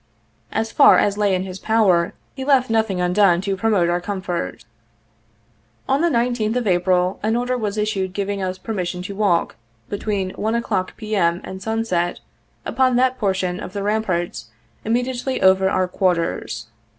As far as lay in his power he left nothing undone to promote our comfort. On the 19th of April an order was issued giving us per mission to walk, between 1 o'clock, P. M., and sunset, upon that portion of the ramparts immediately over our quarters.